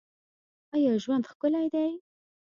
آیا ژوند ښکلی دی؟